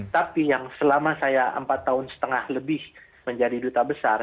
tapi yang selama saya empat tahun setengah lebih menjadi duta besar